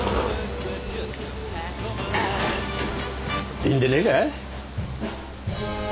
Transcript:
いいんでねえか？